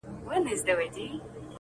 له غاړګیو به لمني تر لندنه ورځي٫